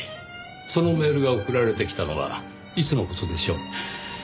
そのメールが送られてきたのはいつの事でしょう？